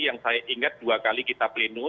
yang saya ingat dua kali kita pleno